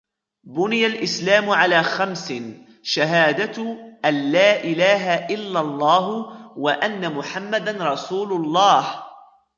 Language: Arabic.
بُنِيَ الإِسْلاَمُ عَلَى خَمْسٍ: شَهَادَةِ أَنْ لاَ إِلَهَ إِلاَّ اللهُ وَأَنَّ مُحَمَّدًا رَسُولُ اللهِ،